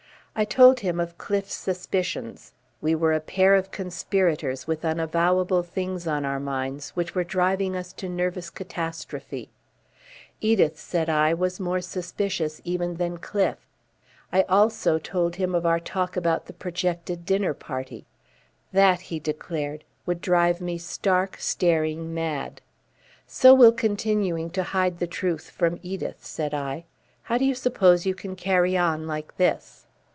I told him of Cliffe's suspicions. We were a pair of conspirators with unavowable things on our minds which were driving us to nervous catastrophe. Edith, said I, was more suspicious even than Cliffe. I also told him of our talk about the projected dinner party. "That," he declared, "would drive me stark, staring mad." "So will continuing to hide the truth from Edith," said I. "How do you suppose you can carry on like this?"